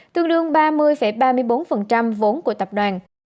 tương đương ba mươi ba mươi bốn vốn của tập đoàn